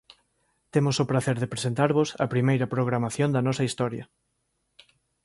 Temos o pracer de presentarvos a primeira programación da nosa historia.